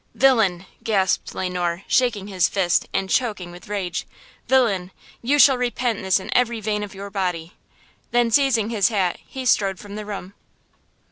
"Villain!" gasped Le Noir, shaking his fist and choking with rage; "villain! you shall repent this in every vein of your body!" Then, seizing his hat, he strode from the room.